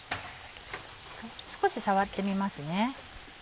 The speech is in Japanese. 少し触ってみますね。